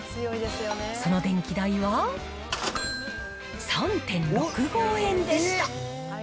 その電気代は３．６５円でした。